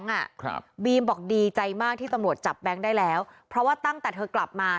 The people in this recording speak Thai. ครับบีมบอกดีใจมากที่ตำรวจจับแบงค์ได้แล้วเพราะว่าตั้งแต่เธอกลับมา